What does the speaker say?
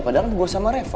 padahal gue sama reva